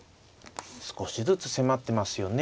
少しずつ迫ってますよね。